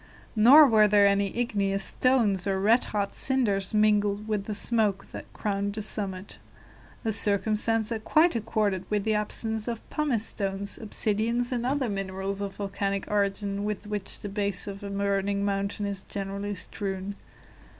Nor were there any igneous stones or red hot cinders mingled with the smoke that crowned the summit; a circumstance that quite accorded with the absence of the pumice stones, obsidians, and other minerals of volcanic origin with which the base of a burning mountain is generally strewn.